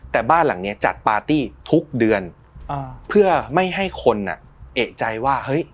แต่บ้านหลังเนี้ยจัดปาร์ตี้ทุกเดือนเพื่อไม่ให้คนอ่ะเอกใจว่าเฮ้ย